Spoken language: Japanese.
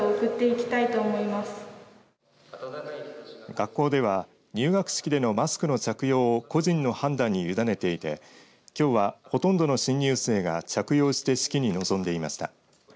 学校では入学式でのマスクの着用を個人の判断に委ねていてきょうはほとんどの新入生が着用して式に臨んでいました。